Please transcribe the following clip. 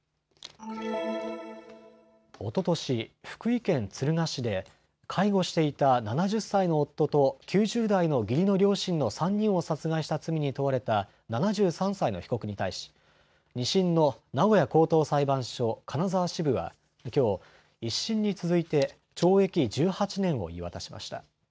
おととし、福井県敦賀市で介護していた７０歳の夫と９０代の義理の両親の３人を殺害した罪に問われた７３歳の被告に対し２審の名古屋高等裁判所金沢支部はきょう、１審に続いて懲役１８年を言い渡しました。